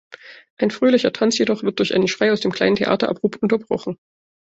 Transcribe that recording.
Ein fröhlicher Tanz jedoch wird durch einen Schrei aus dem kleinen Theater abrupt unterbrochen.